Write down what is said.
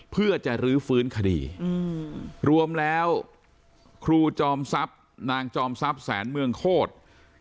เพื่อจะรื้อฟื้นคดีรวมแล้วครูจอมทรัพย์นางจอมทรัพย์แสนเมืองโคตร